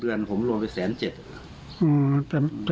เดือนผมรวมไป๑๗๐๐บาท